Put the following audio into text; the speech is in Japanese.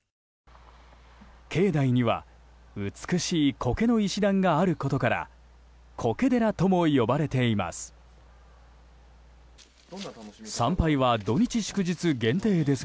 境内には美しい苔の石段があることから苔寺とも呼ばれています。